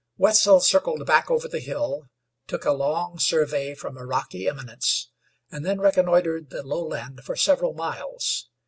Wetzel circled back over the hill, took a long survey from a rocky eminence, and then reconnoitered the lowland for several miles.